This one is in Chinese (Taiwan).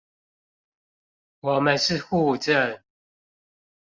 我們是戶政